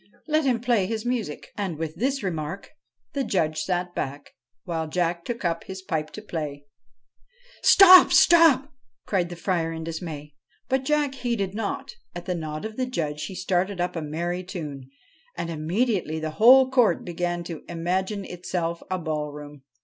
Let him play his music.' And, with this remark, the Judge sat back, while Jack took up his pipe to play. ' Stop 1 stop I ' cried the Friar in dismay. But Jack heeded not. At the nod of the Judge he started up a merry tune, and immediately the whole Court began to imagine itself a ballroom.